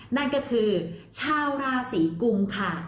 นั่นก็คือชาวราศีกุมค่ะ